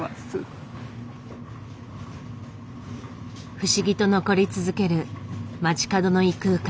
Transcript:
不思議と残り続ける街角の異空間